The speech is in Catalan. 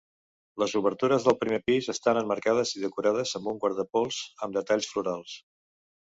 Les obertures del primer pis estan emmarcades i decorades amb un guardapols amb detalls florals.